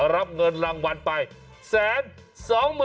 รับเงินรางวัลไป๑๒๐๐๐